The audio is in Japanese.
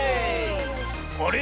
「あれ？